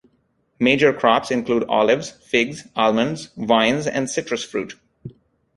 Major crops include olives, figs, almonds, vines and citrus fruit.